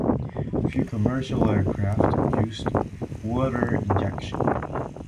Few commercial aircraft used water injection.